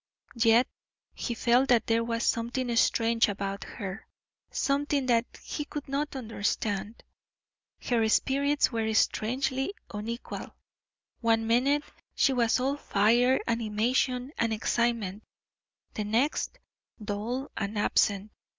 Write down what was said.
Yet he felt that there was something strange about her, something that he could not understand. Her spirits were strangely unequal; one minute she was all fire, animation, and excitement, the next dull and absent.